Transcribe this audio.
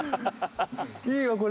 いいわこれ。